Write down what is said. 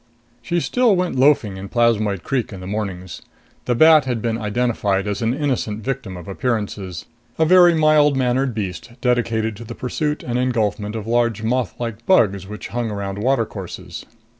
She still went loafing in Plasmoid Creek in the mornings. The bat had been identified as an innocent victim of appearances, a very mild mannered beast dedicated to the pursuit and engulfment of huge mothlike bugs which hung around watercourses.